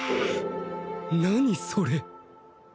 何それ